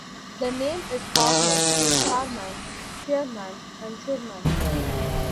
The name is cognate with Sharman, Shearman and Shurman.